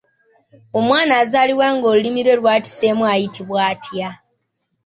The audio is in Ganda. Omwana azaalibwa nga olulimi lwe lwatiseemu ayitibwa atya?